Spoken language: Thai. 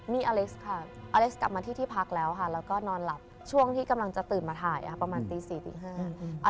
มีอเล็กซ์ค่ะอเล็กซ์กลับมาที่ที่พักแล้วค่ะแล้วก็นอนหลับช่วงที่กำลังจะตื่นมาถ่ายค่ะประมาณตีสี่ตีห้า